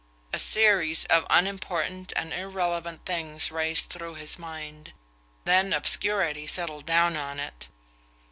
A series of unimportant and irrelevant things raced through his mind; then obscurity settled down on it.